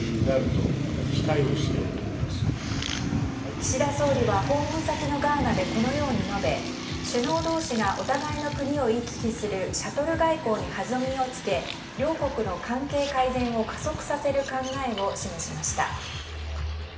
岸田総理は訪問先のガーナでこのように述べ首脳同士がお互いの国を行き来するシャトル外交に弾みをつけ両国の関係改善を加速させる考えを示しました。